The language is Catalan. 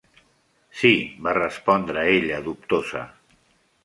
"Sí", va respondre ella dubtosa.